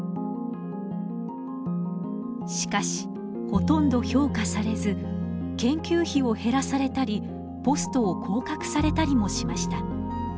しかしほとんど評価されず研究費を減らされたりポストを降格されたりもしました。